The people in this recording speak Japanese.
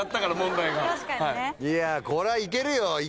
いやこれはいけるよ。